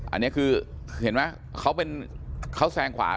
อันนี้คือเห็นไหมเขาแซงขวา